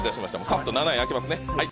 さっと７位開けますねはい。